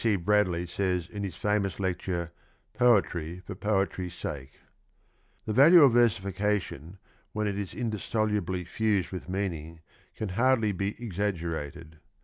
C. liradley says in his famous lecture, Poetry for Poetry's Sake: "The value of versification when it is india solubly fused with meaning, can hardly be exaggerated.